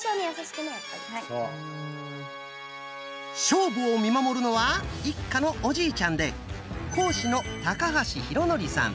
勝負を見守るのは一家のおじいちゃんで講師の高橋浩徳さん。